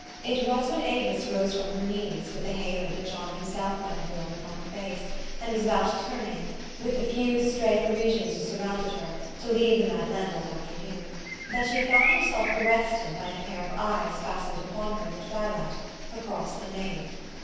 It was when Avis rose from her knees, with the halo that John himself might have worn upon her face, and was about turning, with the few stray Parisians who surrounded her, to leave the Made leine that afternoon, that she found herself arrested by a pair of eyes fastened upon her in the twilight, across the nave.